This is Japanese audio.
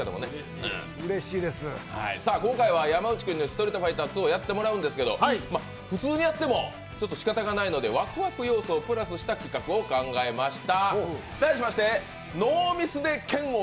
今回は山内君に「ストリートファイターⅡ」をやってもらうんですけど普通にやっても、しかたがないので、ワクワク要素をプラスした企画を考えました。